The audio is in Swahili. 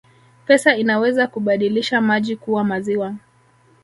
Pesa inaweza kubadilisha maji kuwa maziwa